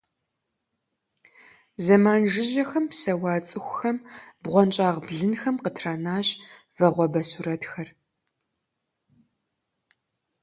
Зэман жыжьэхэм псэуа цӏыхухэм бгъуэнщӏагъ блынхэм къытранащ вагъуэбэ сурэтхэр.